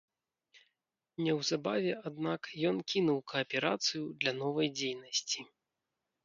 Неўзабаве, аднак, ён кінуў кааперацыю для новай дзейнасці.